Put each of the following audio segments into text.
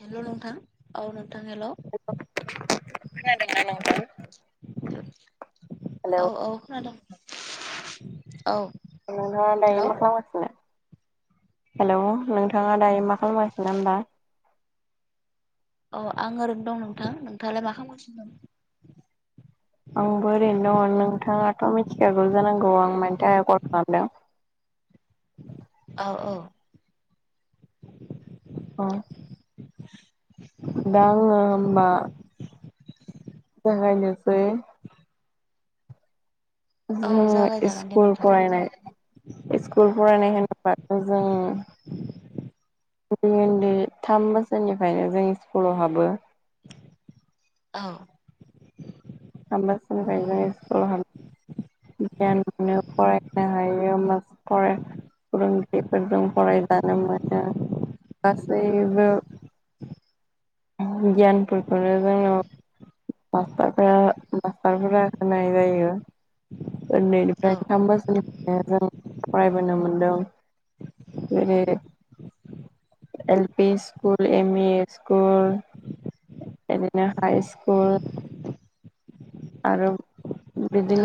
हेल' नोंथां औ नोंथां हेल' खोनादोंना नं हेलौ औ औ खोनादोंं औ नोंहा दायो हेलौ मा खालामगासिनो हेलौ नोंथाङा दायो मा खालामगासिनो ना होमबा औ आं ओरैनो दं नोंथां नोंथाङालाय मा खालामगासिनो आंबो ओरैनो दं नोंथाङाथ' मिथिखागौ जानांगौ आं मानि थाखाय कल खालामदों औ औ औ दा आङो होबबा जागायनोसै [unintelligible] औ जोङो जागायजागोन दे स्कुल नोंथां फरायनाय स्कुल फरायनाय होनोब्ला जों उन्दै उन्दै थाम बोसोरनिफ्रायनो जों स्कुलावहाबो। औ होमबासिमनिफ्रायनो जोङो स्कुलाव हाब गियान मोनो फरायनो हायो होमबासो फराय फोरोंगिरिफोरजों फरायजानो मोनो गासैबो। गियानफोरखौनो जोंनो मासटारफोरा। मास्टारफोरा होनाय जायो उन्दैनिफ्राय थाम बोसोरनि। जों फरायबोनो मोनदों जेरै L P school M E school. बिदिनो हाइ स्कुल आरो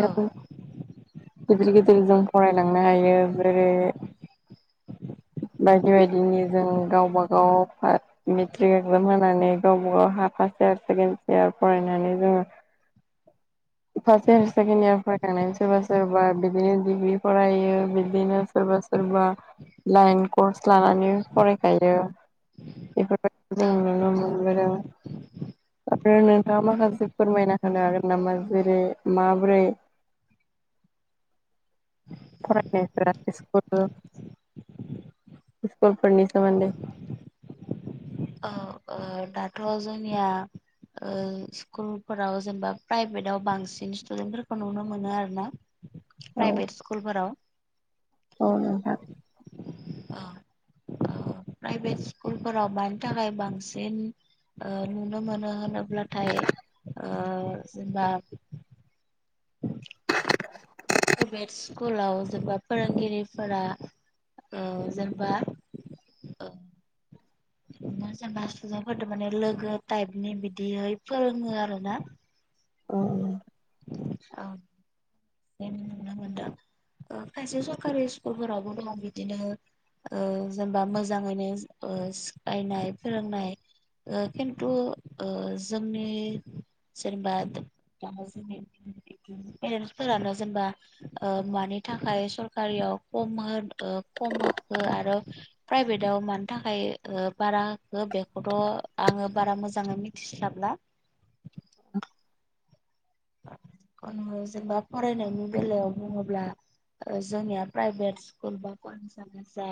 औ गिदिर गिदिर जों फरायलांनो हायो ओमफ्राय बायदि बायदिनि जों गावबा गाव पार मेट्रिक एकजाम होनानै गावबा गाव हाफ फार्स्ट इयार सेकेणड इयार फरायनानै जोङो। फार्स्ट इयार सेकेणड इयार फरायखांनानै सोरबा सोरबा बिदिनो डिग्रि फरायो बिदिनो सोरबा सोर सोरबा लाइन कर्स लानानै फरायखायो बेफोर जों नुनो मोनबोदों आरो नोंथाङा माखासे फोरमायना होनो हागोन नामा जेरै माबोरै। फरायनायफोरा स्कुल स्कुलफोरनि सोमोन्दै। औ ओ दाथ जोंनिया। ओ-स्कुलफोराव जेनेबा प्राइभेटाव बांसिन स्टुदेन्टफोरखौ नुनो मोनो आरो ना। औ प्राइभेट स्कुलफोराव। औ नोंथां ओ प्राभेट स्कुलफोराव। थाखाय बांसिन। ओ नुनो मोनो होनोब्लाथाय ओ जेनेबा। [unintelligible] प्राइभेट स्कुलाव जेनबा फोरोंगिरिफोरा ओ जेनबा। बिदिनो जेनेबा स्टुडेन्टफोरदों माने लोगो टाइपनि बिदिहै फोरोङो आरो ना। औ औ जेन नुनो मोनदों खायसे सरखारि स्कुलफोरावबो दङ बिदिनो। ओ जेनेबा मोजाङैनो सिखायनाय फोरोंनाय। ओ-खिन्थु ओ जोंनि जेनेबा। दा जों पेरेन्टसफोरानो जेनबा। ओ मानि थाखाय सरकारियाव खम खम होखो आरो। प्राइभेटाव मानि थाखाय बारा होखो बेखौथ आङो बारा मोजाङै मिथिस्लाबला। [unintelligible] ओं जेनेबा फरायनायनि बेलायाव बुङोब्ला। ओ-जोंनिया प्राइभेट स्कुल बा कलेसानो जा।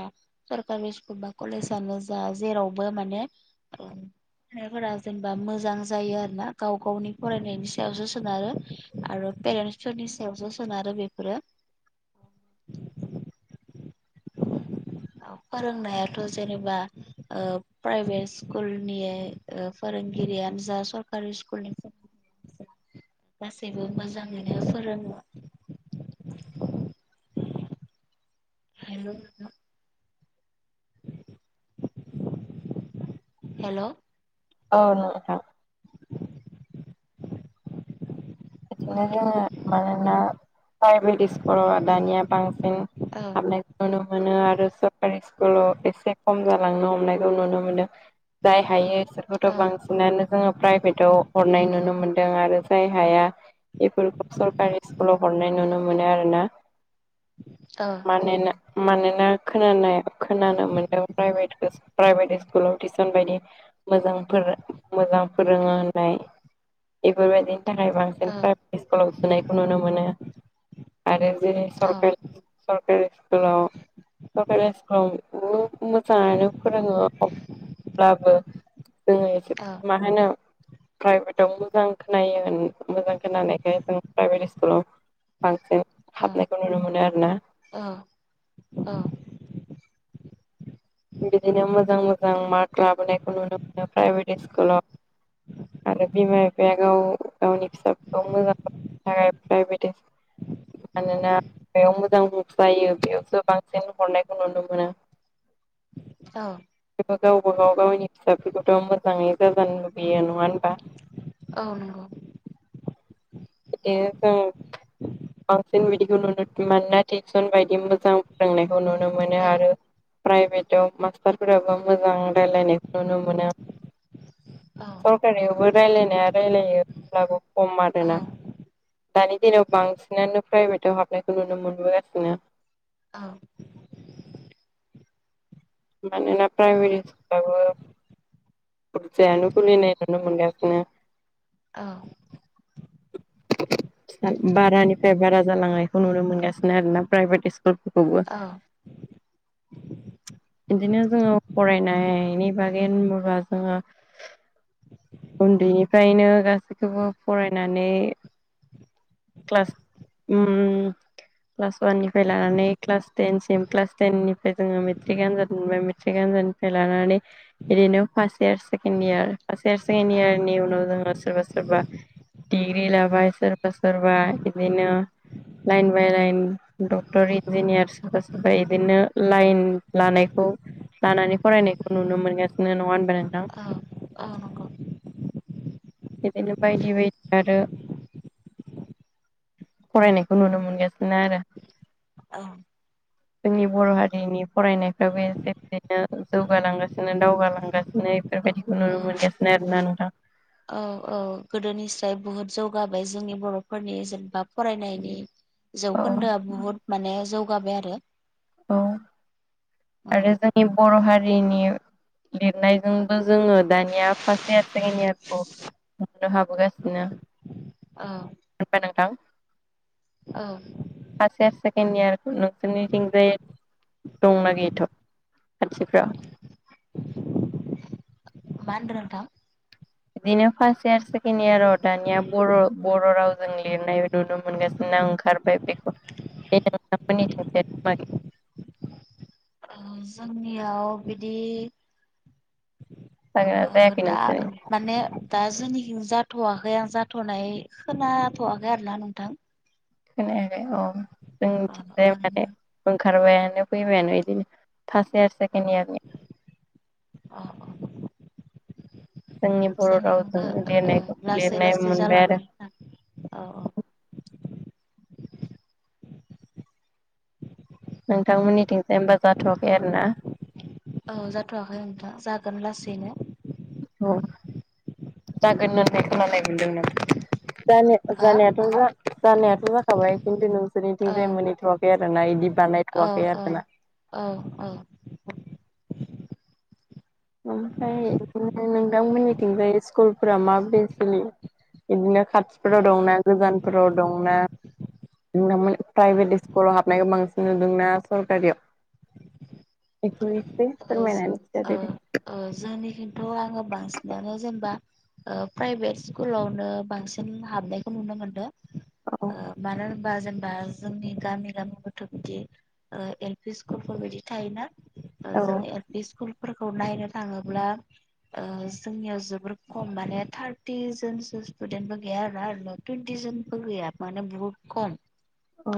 सरकारि स्कुल बा कलेजानो जा जेरावबो माने। फिनायफोरा जेनेबा मोजां जायो आरोना गाव गावनि फरायनायनि सायावसो सो सोनारो आरो पेरेन्टस फोरनि सायावसो सोनारो बेफोरो। [inaudible] फोरोंनायाथ जेनेबा प्राइभेट स्कुलनि। ओ-फोरोंगिरियानो जा सरकारि स्कुल नि फो [inaudible] गासैबो मोजांङैनो फोरोंङो। हेलौ। हेलौ। औ नोंथां। बिदिनो जोंङो मानोना फ्रायभेद स्कूलाव दानिया बांसिन हाबनाय नुनो मोनो आरो सरकारि स्कुलाव एसे खम जालांनो हमनाय नुनो मोनदों जाय हायो बिसोरखौथ' औ बांसिन बांसिनानो जोंङो प्राइभेटाव हरनाय नुनो मोन्दों आरो जाय हाया। बेफोरखौ सरकारि स्कुलाव हरनाय नुनो मोनो आरो ना। अ। मानोना मानोना खोनानो खोनानो मोनदों प्राइभेटखौ प्राइभेट स्कुलाव टिउसन बायदि मोजां मोजां फोरोंङो होननाय बेफोरबायदिनि थाखाय बांसिन [inaudible] प्राइभेट स्कुलाव सोनायखौ नुनो मोनो आरो जे औ सरकारि। सरकारि स्कुलाव। सरकारि स्कुलाव मोजांङैनो फोरोंङो अब्लाबो। जोंङो एसे औ मा होनो प्राइभेटाव मोजां खोनायो मोजां। खोनानायखाय जों प्राइभेट स्कुलाव बांसिन औ हाबनायखौ नुनो मोनो आरो ना। औ ओ ओ। बिदिनो मोजां मोजां मार्क लाबोनायखौ नुनो मोनो प्राइभेट स्कुलाव। आरो बिमा बिफाया गाव गावनि फिसाफोरखौ मोजां [inaudible] मानोना बेयाव मोजां बुंसो लायो बेयावसो बांसिन हरनायखौ नुनो मोनो। औ। थेवबो गावबागाव गावनि फिसाफोरखौथ' मोजांङै जाजानो लुबैयो नङा होनबा। औ नंगौ। [inaudible] बांसिन बिदिखौ नुयो मानोना टिउसन बायदि मोजां फोरोंनायखौ नुनो मोनो औ आरो। प्राइभेटाव मास्टारफोराबो मोजां रायजलायनायखौ नुनो मोनो। औ सरखारनियावबो रायलायनाया रायलायो अब्लाबो खम औ आरोना। दानि दिनाव बांसिनानो प्राइभेटाव हाबनायखौ नुनो मोनबोगासिनो। औ। मानोना प्राइभेर स्कुलाबो। जायानो खुलिनाय नुनो मोनगासिनो। औ। [inaudible] बारानिफ्राय बारा जालांनायखौ नुनो मोनगासिनो आरोना प्राइभेट स्कुलफोरखौबो। औ बिदिनो जोंङो फरायनायनि बागै होनोबा जोंङो। उन्दैनिफ्रायनो गासैखौबो फरायनानै। क्लास ओ। क्लास अवाननिफ्राय लानानै क्लास टेनसिम क्लास टेननिफ्राय जोंङो मेट्रिक आनजाद मोनबाय मेट्रिक आनजाद। लानानै। ओरैनो first year second year first year second इयारनि उनाव जोङो सोरबा सोरबा दिग्रि लाबाय सोरबा सोरबा बिदिनो line by line doctor engineer सोरबा सोरबा बिदिनो लाइन लानायखौ लानानै फरायनायखौ नुनो मोनगासिनो नङा होनबा नोंथां। आ नंगौ। बिदिनो बायदि बायदि आरो फरायनायखौ नुनो मोनगासिनो आरो। औ [inaudible] जोंनि बर' हारिनि फरायनायफ्राबो एसे एसेनो जौगालांगासिनो दावगालांगासिनो। बे बायदिनो नुनो मोनगासिनो आरो ना नोंथा। औ औ गोदोनिसाय बुहुद जौगाबाय जोंनि बर'फोरनि जेनबा फरायनायनि औ जौखोन्दोआ बुहुद माने जौगाबाय आरो। औ औ आरो जोंनि बर' हारिनि लिरनायजोंबो जोङो दानिया फारस इयार सेकेण्ड इयारखौ नुनो हाबोगासिनो औ होमबा नोंथां। औ फास इयार सेकन्द इयार नोंसिनिथिं दंना गैथ' खाथिफ्राव मा होनद्रो नोंथां? इदिनो फास इयार सेकेण्ड इयाराव दानिया बर' बर' रावजों लिरनाय नुनो मोनगासिनो। ना ओंखारबाय बेखौ बे नोंथांमोननिथिं जाय मादि ओ जोंनियाव बिदि जागोना ओ जायाखै दा नोंसोरो माने दा जोंनिखि जाथ'आखै आं जाथ'नाय खोनाथ'आखै आरोना नोंथां। खोनायाखै औ जों अ थिंजाय माने ओरैनो ओंखारबायानो फैबायानो इदिनो फास इयार औ सेकण्ड इयारनि अ' अ' जोंनि बर' रावजों जोंनिखैबो ओ लिरनायखौ लासै लिरनाय लासै मोनबाय आरो जालांगोन होननानै औ औ नोंथांमोननिथिंजाय होमबा जाथ'आखै आरो ना। औ जाथ'आखै नोंथां जागोन लासैनो। औ जागोन होननाय खोनानाय मोनदों ना हा जानायाथ' जा जानायाथ' जा थाबाय खिन्थु नोंसोरनिथिं औ जाय मोनहैथ'आखै आरो ना बिदि औ बानायथ'वाखै औ आरोना। औ औ ओमफ्राय इदिनो नोंथां मोनथिंजाय सिकुलफोरा मा बायदि सोलियो? इदिनो खाथिफोराव दंना गोजानफोराव दंना नोंथांमोन प्राइभेट सिकुलाव हाबनायखौ बांसिन नुदोंना सरकारियाव? बेखुय ओस ओ ओ जोंनि खैथ' आङो बांसिनानो जेनबा ओ प्राइभेट सिकुलावनो बांसिन हाबनायखौ नुनो मोनदों। औ ओ मारार - बा जोनबा जोंनि गामि गामि गथ' बिदि ओ एलपि सिकुलफोर बायदि थायोना। ओ जों औ एल पि सिकुलफोरखौ नायनो थाङोब्ला ओ जोंनियाव जोबोर खम माने थारथि जोनसो सिथुदेन्टबो गैया आरोना। ओरैनो थुनथि जोनबो गैया माने बुहुद खम। औ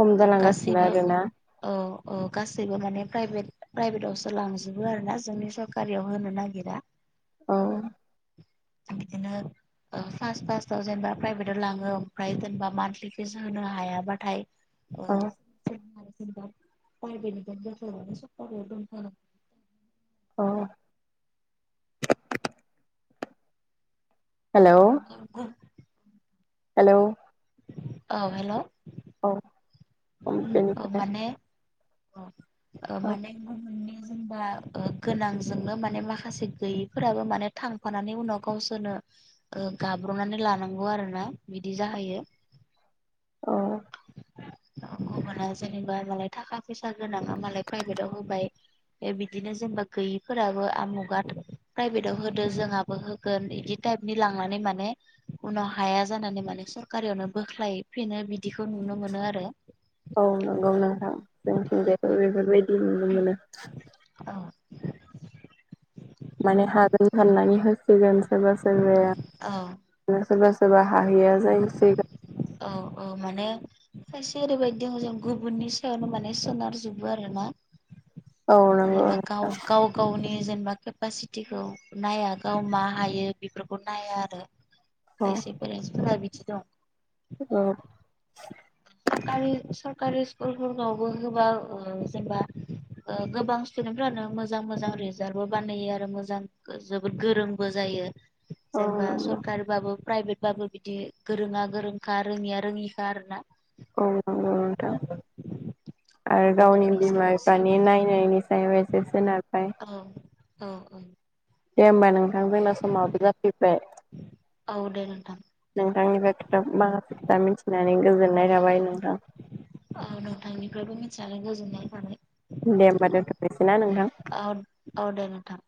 खम जालांगासिनो गासैबो आरो ना। औ औ गासैबो माने प्राइभेट प्राइभेटआवसो लांजोबो आरो ना जोंनि सरकारियाव होनो नागिरा। औ ओ बिदिनो ओ फास फासटाव जेनेबा प्राइभेटाव लाङो ओमफ्राय जेनेबा मान्थलि फिस होनो हाया बाथाय ओ औ जेनेबा [unintelligible] प्राइभेटनि बखना लाबोसिगोन [unintelligible] अ' [unintelligible] हेलौ औ हेल' औ उम बेनि औ माने औ ओ औ माने गुबुननि जोंबा ओ गोनांजोंनो माने माखासे गैयैफोराबो माने थांफानानै उनाव गावसोरनो ओ गाब्र'नानै लानांगौ आरो ना बिदि जाहैयो। औ गुबुना जेनेबा मालाय थाखा फैसा गोनाङा मालाय प्राइभेटाव होबाय। बिदिनो जेनेबा गैयिफोराबो आमुगा प्राइभेटाव होदो जोंहाबो गोन बिदि टाइपनि लांनानै माने उनाव हाया जानानै माने सरकारियावनो बोख्लाय फिनो बिदिखौ नुनो मोनो आरो। औ नंगौ नोंथां जोंथिंजायबो बेफोरबायदि नुनो मोनो। औ माने हागोन साननानै होसिगोन सोरबा औ सोरबाया। सोरबा सोरबा हाहैया जायोसै। औ औ माने खायसे ओरैबायदि दङ जों गुबुननि सायावनो माने सोनारजोबो आरो ना। औ नंगौ जेनेबा गाव‌ गाव गावनि जेनेबा केपासिटिखौ नाया गाव मा हायो बेफोरखौ नाया आरो। [inaudible] खायसे पेरेन्सफोरा बिदि दं। औ सरकरि सरकारि स्कुलफोरनावबो होबाबो जेनेबा ओ गोबां स्टुदेन्थफोरानो मोजां मोजां रिजाल्टबो बानायो आरो मोजां जोबोद गोरोंबो जायो। औ जेनेबा नंगौ सरकारिबाबो प्राइभेट होनोमब्लाबो बिदि गोरोङा गोरोंखा रोङिया रोङिखा आरोना। औ औ नंगौ नोंथां। आरो गावबा गावनि बिमा सायावसो बिफानि नायनायनि सायाव एसे सोनारबाय। औ औ औ। दे होमबा नोंथां जोंना समाबो जाफैबाय। औ दे नोंथां। नोंथांनिफ्राय खोथा माखासे खोथा मिथिनानै गोजोननाय थाबाय नोंथां। औ नोंथांनिफ्रायबो मिथिनानै गोजोन्नाय थाबाय। दे होमबा दोनथ'नोसै ना नोंथां। औ औ दे नोंथां।